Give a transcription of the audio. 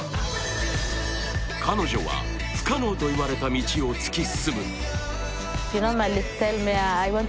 彼女は不可能と言われた道を突き進む。